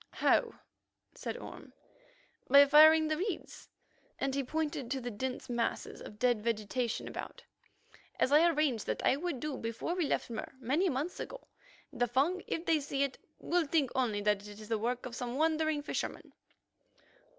"How?" asked Orme. "By firing the reeds"—and he pointed to the dense masses of dead vegetation about—"as I arranged that I would do before we left Mur many months ago. The Fung, if they see it, will think only that it is the work of some wandering fisherman."